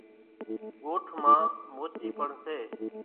ڳوٺ مان موچِي پڻ سي۔